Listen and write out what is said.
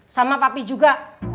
sama papi juga